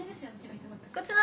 こちら！